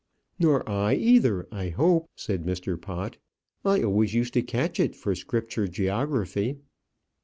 "Nor I either, I hope," said Mr. Pott. "I always used to catch it for scripture geography."